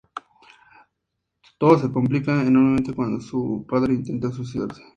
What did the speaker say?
Todo se complica enormemente cuando su padre intenta suicidarse.